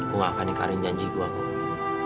gue gak akan ingkarin janji gue gue